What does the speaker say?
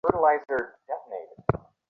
লুইজিয়ানাতে এটা ঘরে ঘরে দেখতে পাবে।